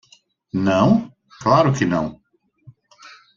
Não? claro que não.